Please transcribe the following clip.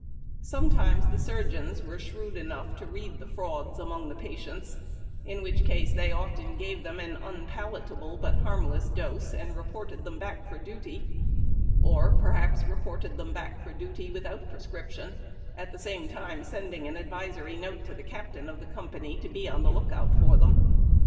Sometimes the surgeons were shrewd enough to read the frauds among the patients, in which case tliey often gave them an unpalatable but harmless dose, and reported them back for duty, or, perhaps, reported them back for duty tvithout prescription, at the same time sending an advisory note to the captain of the company to be on the lookout for them.